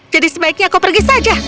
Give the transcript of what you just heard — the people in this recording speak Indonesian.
jadi sebaiknya aku pergi